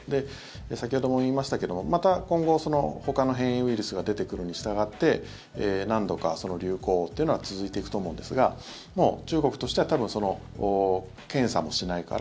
先ほども言いましたけどもまた今後、ほかの変異ウイルスが出てくるにしたがって何度かその流行というのは続いていくと思うんですがもう中国としては多分、検査もしないから